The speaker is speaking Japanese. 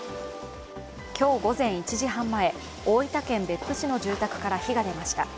今日午前１時半前、大分県別府市の住宅から火が出ました。